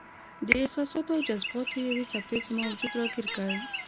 د احساساتو او جذباتو یوې څپې زما وجود راګیر کړ.